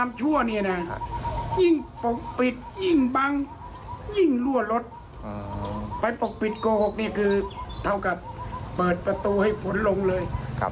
มันก็มีคนคุดคุย